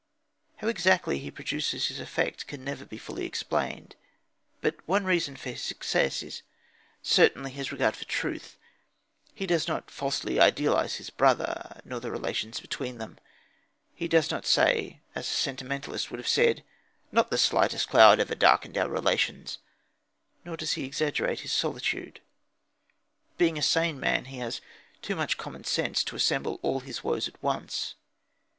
How exactly he produces his effect can never be fully explained. But one reason of his success is certainly his regard for truth. He does not falsely idealise his brother, nor the relations between them. He does not say, as a sentimentalist would have said, "Not the slightest cloud ever darkened our relations;" nor does he exaggerate his solitude. Being a sane man, he has too much common sense to assemble all his woes at once.